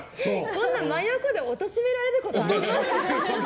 こんな真横で貶められることあります？